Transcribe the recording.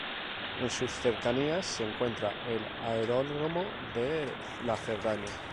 En sus cercanías se encuentra el Aeródromo de La Cerdaña.